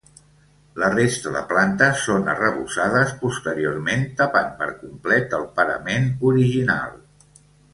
La resta de plantes són arrebossades posteriorment tapant per complet el parament original.